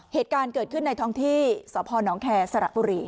เหตุการณ์เกิดขึ้นในท้องที่สพนแคร์สระบุรี